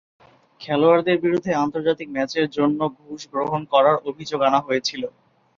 খেলোয়াড়দের বিরুদ্ধে আন্তর্জাতিক ম্যাচের জন্য ঘুষ গ্রহণ করার অভিযোগ আনা হয়েছিল।